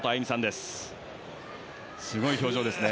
すごい表情ですね。